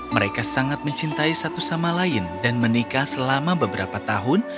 mereka sangat mencintai satu sama lain dan menikah selama beberapa tahun